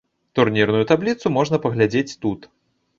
Турнірную табліцу можна паглядзець тут.